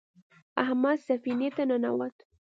احمد سفینې ته ننوت.